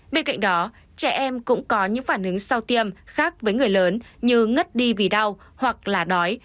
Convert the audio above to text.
bên cạnh đó trẻ em cũng có những phản ứng sau tiêm khác với người lớn như ngất đi vì đau hoặc là đói